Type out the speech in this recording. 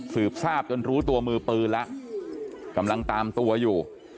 สืบทราบจนรู้ตัวมือปืนแล้วกำลังตามตัวอยู่